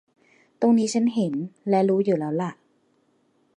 ตรงนี้ฉันเห็นและรู้อยู่แล้วหละ